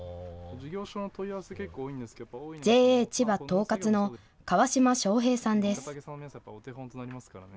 ＪＡちば東葛の川島翔平さんです。